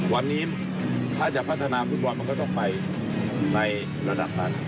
วันนี้ถ้าจะพัฒนาฟุตบอลมันก็ต้องไปในระดับนั้น